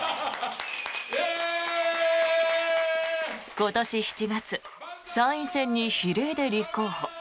今年７月参院選に比例で立候補。